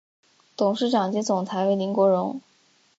董事长及总裁为林国荣。